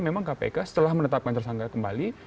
memang kpk setelah menetapkan tersangka kembali